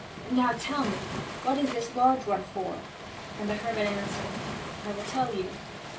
"Now tell me, what is this large one for?" And the hermit answered: "I will tell you.